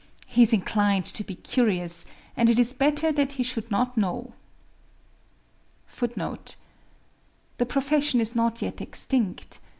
He is inclined to be curious; and it is better that he should not know." The profession is not yet extinct.